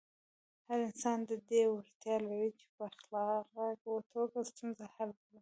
هر انسان د دې وړتیا لري چې په خلاقه توګه ستونزې حل کړي.